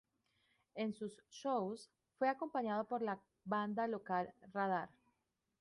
En sus "shows" fue acompañado por la banda local Radar.